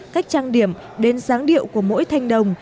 cách trang điểm đến giáng điệu của mỗi thanh đồng